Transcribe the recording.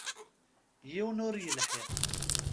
Yiwen ur yelḥiq.